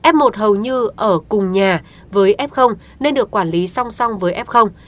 f một hầu như ở cùng nhà với f nên được quản lý song song